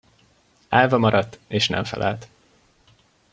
Állva maradt, és nem felelt.